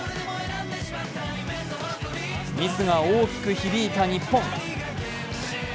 ミスが大きく響いた日本。